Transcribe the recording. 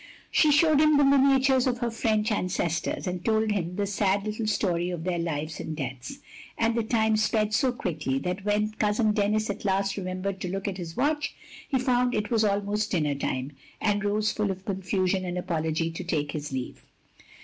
" She showed him the miniatures of her French ancestors, and told him the sad little story of their lives and deaths; and the time sped so quickly that when cousin Denis at last remem bered to look at his watch, he found it was almost dinner time, and rose full of confusion and apology to take his leave.